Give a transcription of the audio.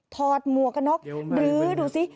ทอดมัวกกะน็อกดื้อดูสิ